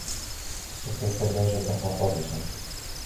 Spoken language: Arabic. تبقي الثلاجة اللحم طازجا.